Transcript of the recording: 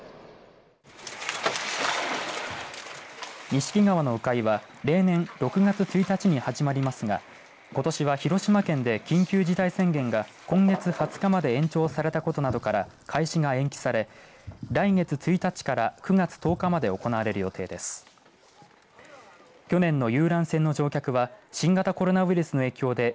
錦川の鵜飼いは例年６月１日に始まりますがことしは広島県で緊急事態宣言が今月２０日まで延長されたことなどから開始が延期され来月１日から９月１０日まで行われる予定です。